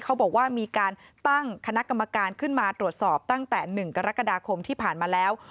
เขาบอกว่ามีการตั้งคณะกรรมการขึ้นมาตรวจสอบตั้งแต่๑กรกฎาคมที่ผ่านมาแล้ว